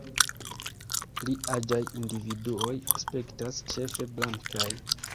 Pli aĝaj individuoj aspektas ĉefe blankaj.